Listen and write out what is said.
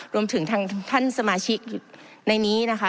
รวมถึงทางท่านสมาชิกในนี้นะคะ